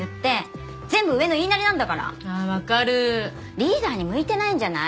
リーダーに向いてないんじゃない？